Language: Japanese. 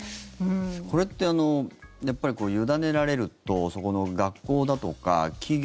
これってやっぱり委ねられるとそこの学校だとか企業